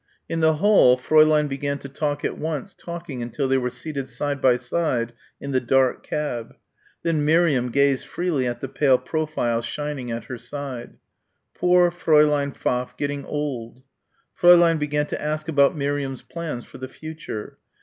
In the hall Fräulein began to talk at once, talking until they were seated side by side in the dark cab. Then Miriam gazed freely at the pale profile shining at her side. Poor Fräulein Pfaff, getting old. Fräulein began to ask about Miriam's plans for the future.